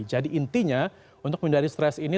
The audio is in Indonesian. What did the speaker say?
jadi intinya untuk menghindari stres ini